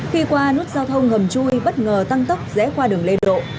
khi qua nút giao thông hầm chui bất ngờ tăng tốc rẽ qua đường lê độ